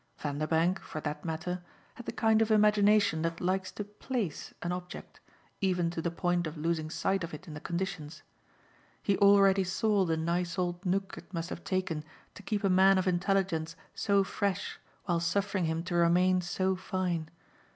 Vanderbank, for that matter, had the kind of imagination that likes to PLACE an object, even to the point of losing sight of it in the conditions; he already saw the nice old nook it must have taken to keep a man of intelligence so fresh while suffering him to remain so fine.